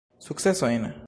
Sukcesojn?